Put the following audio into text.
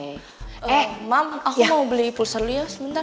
eh mam aku mau beli pulser lo ya sebentar